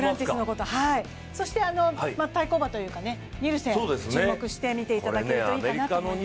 そして対抗馬というか、ニルセン、注目して見ていただけるといいかなと思います。